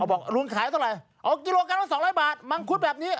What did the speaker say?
บอกลุงขายเท่าไหร่ออกกิโลกรัมละ๒๐๐บาทมังคุดแบบนี้